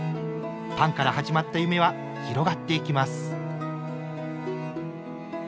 パンから始まった夢は広がっていきます。